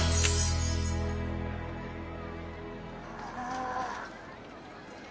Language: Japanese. ああ。